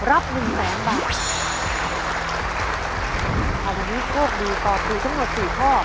อันนี้โชคดีตอบถูกทั้งหมด๔ข้อ